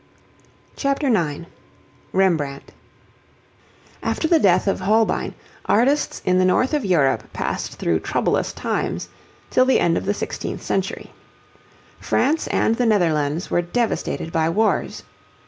CHAPTER IX REMBRANDT After the death of Holbein, artists in the north of Europe passed through troublous times till the end of the sixteenth century. France and the Netherlands were devastated by wars.